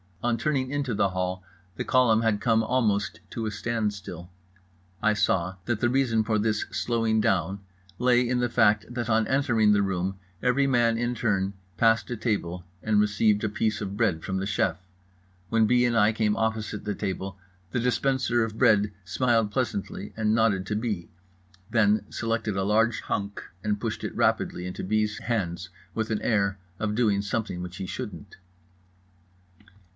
On turning into the hall the column had come almost to a standstill. I saw that the reason for this slowing down lay in the fact that on entering the room every man in turn passed a table and received a piece of bread from the chef. When B. and I came opposite the table the dispenser of bread smiled pleasantly and nodded to B., then selected a large hunk and pushed it rapidly into B.'s hands with an air of doing something which he shouldn't.